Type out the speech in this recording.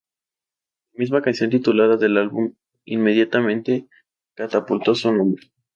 La misma canción titulada del álbum, inmediatamente catapultó su nombre.